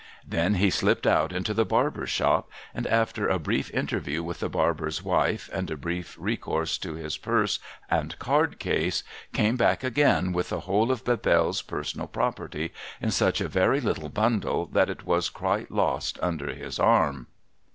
Then he slipped out into the barber's shop, and after a brief interview with the barber's wife, and a brief recourse to his purse and card case, came back again with the whole of Bebelle's personal property in such a very little bundle that it was quite lost under his arm.